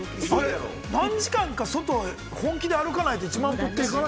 何時間か外を本気で歩かないと１万歩っていかない。